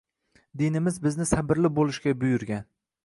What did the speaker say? Dinimiz bizni sabrli bo‘lishga buyurgan